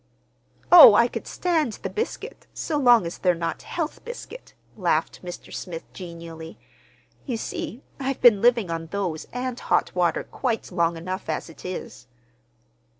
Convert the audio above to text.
"Oh, I could stand the biscuit, so long as they're not health biscuit," laughed Mr. Smith genially. "You see, I've been living on those and hot water quite long enough as it is."